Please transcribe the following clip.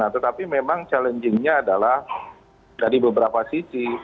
tetapi memang challengingnya adalah dari beberapa sisi